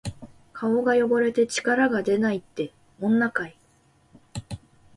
顔が汚れて力がでないって、女かい！